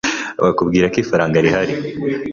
bakubwira ko ifaranga rihari